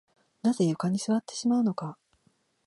なぜ床に座ってしまうのか